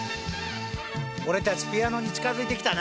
俺たちピアノに近づいてきたな！